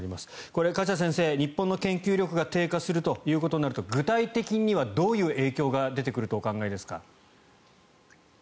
これ、梶田先生、日本の研究力が低下するということになると具体的にはどういう影響が出てくるとお考えですか？